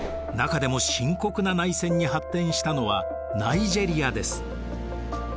中でも深刻な内戦に発展したのはナイジェリアです。